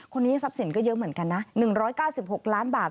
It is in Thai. คนนี้ทรัพย์สินร์ก็เยอะเหมือนกันนะหนึ่งร้อยเก้าสิบหกล้านบาท